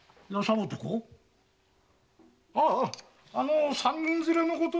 あああの三人連れのこと。